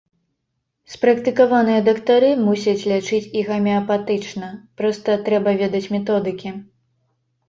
Спрактыкаваныя дактары мусяць лячыць і гамеапатычна, проста трэба ведаць методыкі.